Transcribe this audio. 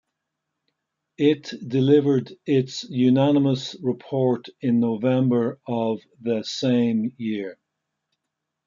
It delivered its unanimous report in November of the same year.